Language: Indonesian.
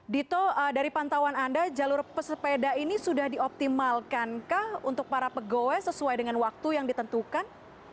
dito dari pantauan anda jalur pesepeda ini sudah dioptimalkankah untuk para pegawai sesuai dengan waktu yang ditentukan